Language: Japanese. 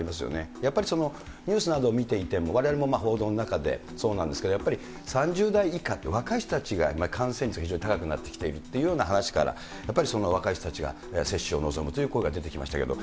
やっぱりニュースなど見ていても、われわれも報道の中でそうなんですけど、やっぱり３０代以下、若い人たちが感染率が非常に高くなってきているというような話から、やっぱり若い人たちが接種を望むという声が出てきましたけれども。